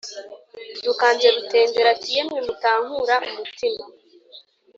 Dukanze rutenderi ati yemwe mutankura umutima